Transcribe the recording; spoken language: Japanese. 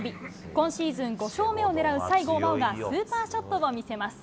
今シーズン５勝目をねらう西郷真央がスーパーショットを見せます。